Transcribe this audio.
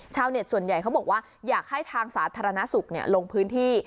เน็ตส่วนใหญ่เขาบอกว่าอยากให้ทางสาธารณสุขลงพื้นที่